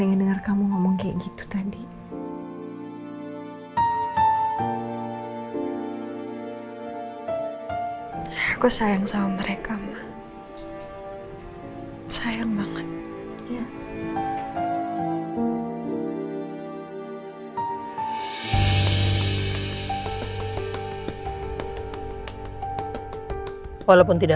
udah sampai mana ya